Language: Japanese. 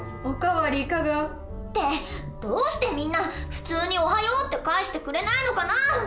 お代わりいかが？ってどうしてみんな普通に「おはよう」って返してくれないのかなあ